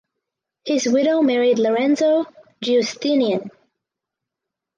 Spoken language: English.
His widow married Lorenzo Giustinian.